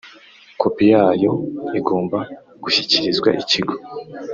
kopi yayo igomba gushyikirizwa Ikigo